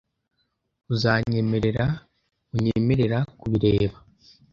Uzanyemerera unyemerera kubireba?